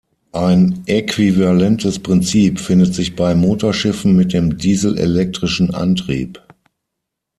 Ein äquivalentes Prinzip findet sich bei Motorschiffen mit dem dieselelektrischen Antrieb.